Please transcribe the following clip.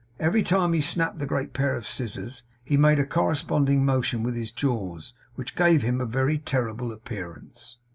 Every time he snapped the great pair of scissors, he made a corresponding motion with his jaws, which gave him a very terrible appearance.